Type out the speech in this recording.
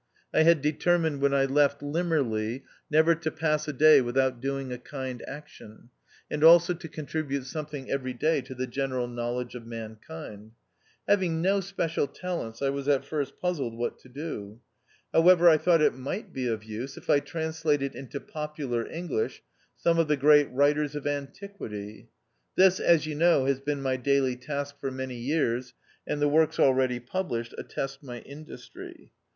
I had determined when I left Limmerleigh never to pass a day without doing a kind action ; and also to contribute THE OUTCAST. 257 something every day to the general know ledge of mankind. Having no special talents, I was at first puzzled what to do. However, I thought it might be of use if I translated into popular English some of the great writers of antiquity. This, as you know, has been my daily task for many years, and the works already published attest my industry.